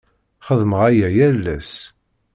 Xeddmeɣ aya yal ass.